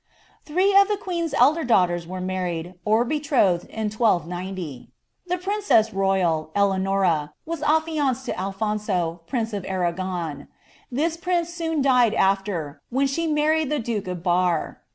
Time of ihe queen's elder daughters were married, or betrothed in IWO. The princeas royal, Eleanora, was affianced to Alphonso, princiy of Amijfon : this prince died soon after, when she married llie duke of Bur.